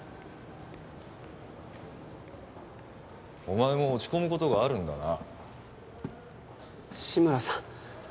お前も落ち込むことがあるんだな志村さん